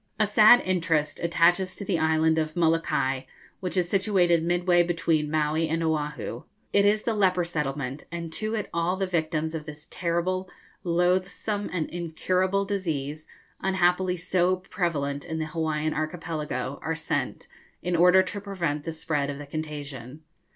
A sad interest attaches to the island of Molokai, which is situated midway between Maui and Oahu. It is the leper settlement, and to it all the victims of this terrible, loathsome, and incurable disease, unhappily so prevalent in the Hawaiian archipelago, are sent, in order to prevent the spread of the contagion.